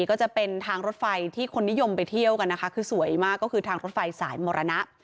ก็จะเป็นทางรถไฟที่คนนิยมไปเที่ยวกันนะคะคือสวยมากก็คือทางรถไฟสายมรณะ